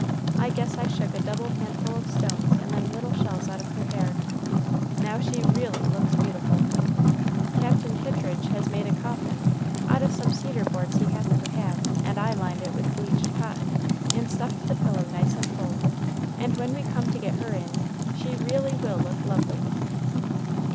I guess I shook a double handful of stones and them little shells out of her hair, now she reely looks beautiful. Captain Kittridge has made a coffin out o' some cedar boards he happened to have, and I lined it with bleached cotton, and stuffed the pillow nice and full, and when we come to get her in, she reely will look lovely."